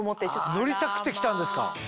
乗りたくて来たんですか。